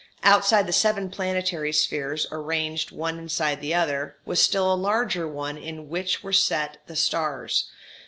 Outside the seven planetary spheres, arranged one inside the other, was a still larger one in which were set the stars.